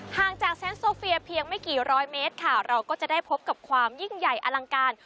ห่างจากเซนต์โซเฟียเพียงไม่กี่ร้อยเมตรค่ะเราก็จะได้พบกับความยิ่งใหญ่อลังการ